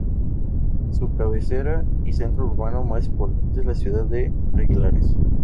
Su cabecera y centro urbano más importante es la ciudad de Aguilares.